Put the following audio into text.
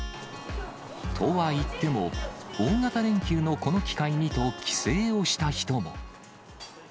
とはいっても、大型連休のこの機会にと、帰省をした人も。